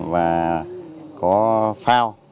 và có phao